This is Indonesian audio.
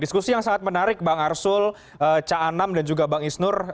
diskusi yang sangat menarik bang arsul ca anam dan juga bang isnur